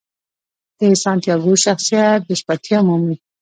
د سانتیاګو شخصیت بشپړتیا مومي.